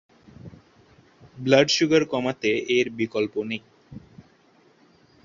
Blood sugar কমাতে এর বিকল্প নেই।